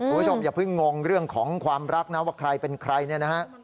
คุณผู้ชมอย่าเพิ่งงงเรื่องของความรักนะว่าใครเป็นใครเนี่ยนะฮะ